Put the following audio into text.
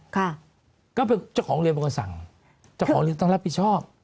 ค่ะก็เจ้าของเรียนบอกสั่งเจ้าของเรียนต้องรับผิดชอบ